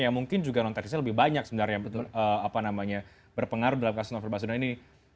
yang mungkin juga non teknisnya lebih banyak sebenarnya yang berpengaruh dalam kasus novel baswedan ini